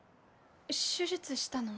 手術したの？